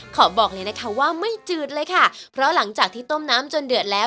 บอกเลยนะคะว่าไม่จืดเลยค่ะเพราะหลังจากที่ต้มน้ำจนเดือดแล้ว